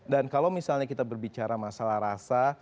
dan kalau misalnya kita berbicara masalah rasa